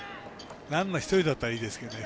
ランナー１人だったらいいですけどね。